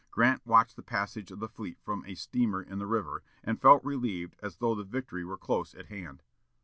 Grant watched the passage of the fleet from a steamer in the river, and felt relieved as though the victory were close at hand.